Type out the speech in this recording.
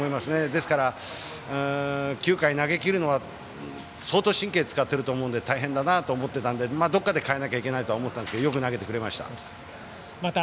ですから、９回投げきるのは相当、神経使っていると思うので大変だなと思っていたのでどこかで代えなきゃいけないと思っていたんですけどよく投げました。